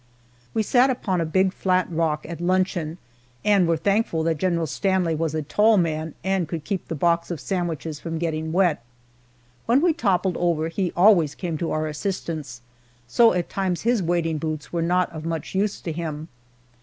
We sat upon a big, flat rock at luncheon, and were thankful that General Stanley was a tall man and could keep the box of sandwiches from getting wet. When we toppled over he always came to our assistance, so at times his wading boots were not of much use to him.